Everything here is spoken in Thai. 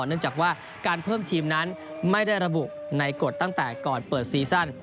เนื่องจากว่าการเพิ่มทีมนั้นไม่ได้ระบุในกฎตั้งแต่ก่อนเปิดซีซั่น